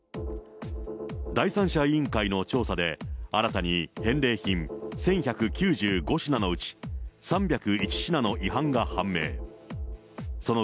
第三者委員会の調査で、新たに返礼品１１９５品のうち３０１品の違反が判明。